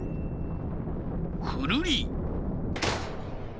くるり。